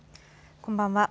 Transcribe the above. こんばんは。